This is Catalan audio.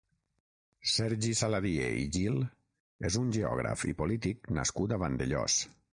Sergi Saladié i Gil és un geògraf i polític nascut a Vandellòs.